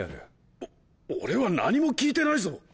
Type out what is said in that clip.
お俺は何も聞いてないぞ。